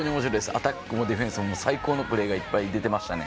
アタックもディフェンスも最高のプレーがいっぱい出てましたね。